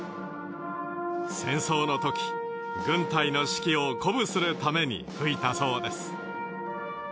戦争のとき軍隊の士気を鼓舞するために吹いたそうです。